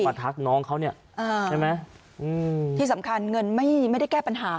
ทักน้องเขาเนี่ยอ่าใช่ไหมอืมที่สำคัญเงินไม่ไม่ได้แก้ปัญหา